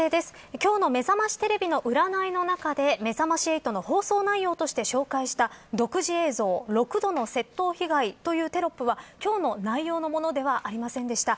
今日のめざましテレビの占いの中でめざまし８の放送内容として紹介した独自映像６度の窃盗被害というテロップは今日の内容のものではありませんでした。